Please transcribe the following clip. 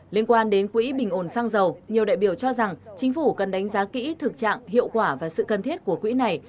liên quan đến quỹ bình ổn xăng dầu nhiều đại biểu cho rằng chính phủ cần đánh giá kỹ thực trạng hiệu quả và sự cần thiết của quỹ này